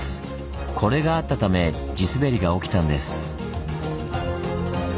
これがあったため地滑りが起きたんです。